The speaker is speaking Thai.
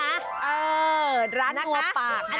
เออร้านโบหรือปากนะ